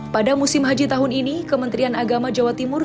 pada musim haji tahun ini kementerian agama jawa timur